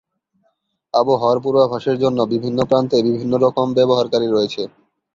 আবহাওয়ার পূর্বাভাসের জন্য বিভিন্ন প্রান্তে বিভিন্ন রকম ব্যবহারকারী রয়েছে।